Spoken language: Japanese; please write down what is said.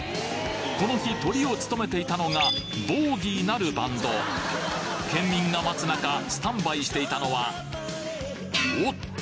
この日トリを務めていたのがＢＯＧＹなるバンド県民が待つ中スタンバイしていたのはおっと！